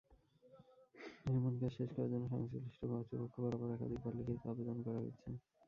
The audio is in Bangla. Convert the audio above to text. নির্মাণকাজ শেষ করার জন্য সংশ্লিষ্ট কর্তৃপক্ষ বরাবর একাধিকবার লিখিত আবেদন করা হয়েছে।